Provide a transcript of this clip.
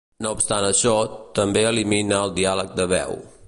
No obstant això, també elimina el diàleg de veu.